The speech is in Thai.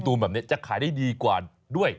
แบบนี้จะขายได้ดีกว่าด้วย